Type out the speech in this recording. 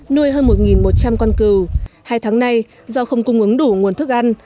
nuôi hơn một một trăm linh con cừu hai tháng nay do không cung ứng đủ nguồn thức ăn